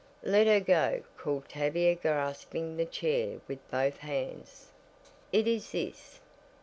"Let her go," called Tavia grasping the chair with both hands. "It is this.